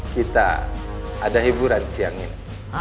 kita ada hiburan siang ini